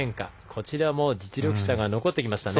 こちらも実力者が残ってきましたね。